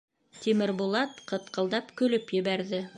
— Тимербулат ҡытҡылдап көлөп ебәрҙе.